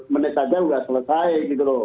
menit saja sudah selesai